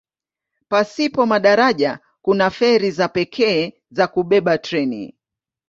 Pasipo madaraja kuna feri za pekee za kubeba treni.